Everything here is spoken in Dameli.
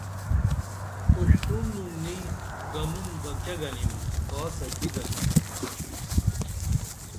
اُشترونُن نی گنُم بہ کیہ گنِم کاسہ کی گنِم